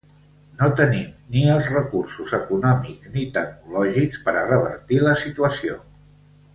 No tenim ni els recursos econòmics ni tecnològics per a revertir la situació.